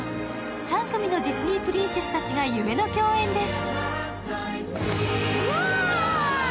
３組のディズニープリンセスたちが夢の共演です。